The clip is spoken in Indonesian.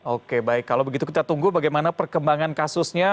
oke baik kalau begitu kita tunggu bagaimana perkembangan kasusnya